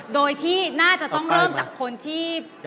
โดยที่น่าจะต้องเริ่มจากคนที่